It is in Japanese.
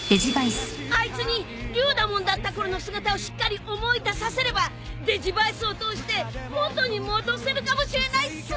あいつにリュウダモンだったころの姿をしっかり思い出させればデジヴァイスを通して元に戻せるかもしれないっす！